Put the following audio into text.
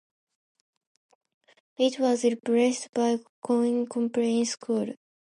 It was replaced by Cowbridge Comprehensive School.